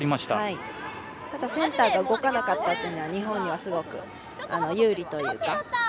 ただ、センターが動かなかったというのは日本にはすごく有利というか。